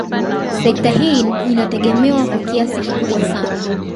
Sekta ya utalii inategemewa kwa kiasi kikubwa sana